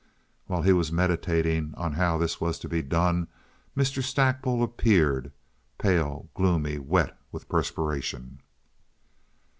While he was meditating on how this was to be done Mr. Stackpole appeared, pale, gloomy, wet with perspiration.